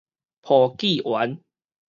簿記員